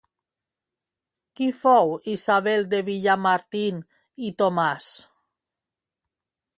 Qui fou Isabel de Villamartín i Thomas?